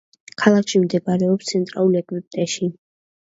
ქალაქში მდებარეობს ცენტრალურ ეგვიპტეში.